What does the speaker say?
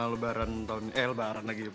lebaran tahun eh lebaran lagi